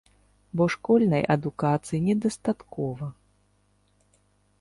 Бо школьнай адукацыі недастаткова.